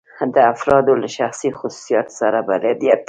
د افرادو له شخصي خصوصیاتو سره بلدیت.